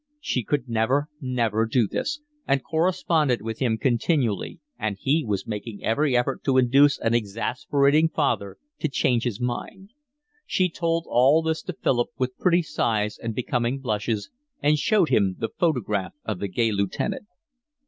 She could never, never do this, and corresponded with him continually, and he was making every effort to induce an exasperating father to change his mind. She told all this to Philip with pretty sighs and becoming blushes, and showed him the photograph of the gay lieutenant.